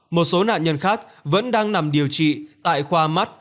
một số nạn nhân khác vẫn đang nằm điều trị tại khoa mắt